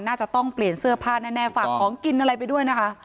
น่าจะต้องเปลี่ยนเสื้อผ้าแน่ฝากของกินอะไรไปด้วยนะคะ